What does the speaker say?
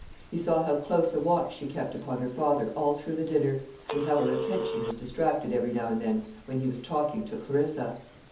He saw how close a watch she kept upon her father all through the dinner, and how her attention was distracted every now and then when he was talking to Clarissa.